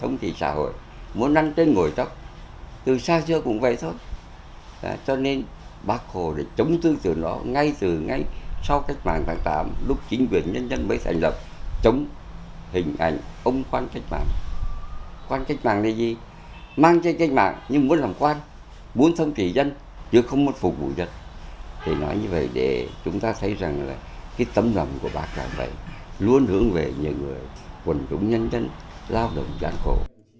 nói như vậy để chúng ta thấy rằng là cái tấm lòng của bà cảm vậy luôn hướng về những người quần chúng nhân dân lao động gian khổ